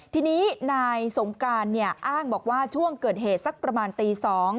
ทีนี้นายสงการอ้างบอกว่าช่วงเกิดเหตุสักประมาณตี๒